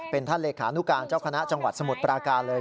เป็นท่านเลขานุการเจ้าคณะจังหวัดสมุทรปราการเลย